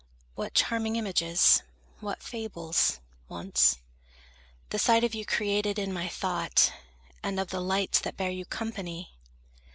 What charming images, what fables, once, The sight of you created in my thought, And of the lights that bear you company!